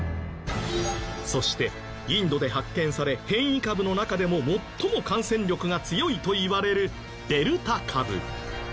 そしてインドで発見され変異株の中でも最も感染力が強いといわれるデルタ株。